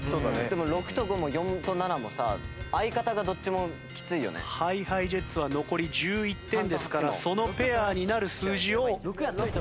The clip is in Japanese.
でも６と５も４と７もさ相方がどっちもきついよね。ＨｉＨｉＪｅｔｓは残り１１点ですからそのペアになる数字を防ぎにいこうとしている。